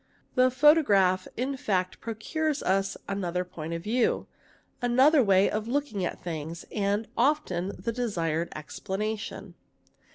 The photograph in fa procures us another point of view, another way of looking at things, ar often the desired explanation.